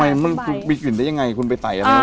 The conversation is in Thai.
ทำไมมันมีกลิ่นได้ยังไงคุณไปไต่อะไร